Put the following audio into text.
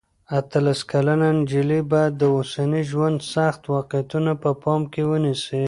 اتلس کلنه نجلۍ باید د اوسني ژوند سخت واقعیتونه په پام کې ونیسي.